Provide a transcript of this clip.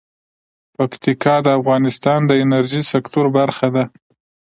پکتیکا د افغانستان د انرژۍ سکتور برخه ده.